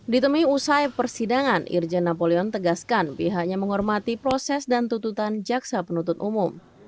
ditemui usai persidangan irjen napoleon tegaskan pihaknya menghormati proses dan tututan jaksa penuntut umum